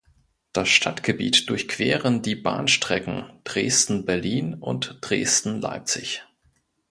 Das Stadtgebiet durchqueren die Bahnstrecken Dresden–Berlin und Dresden–Leipzig.